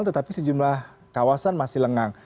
tetapi sejumlah kawasan masih lengang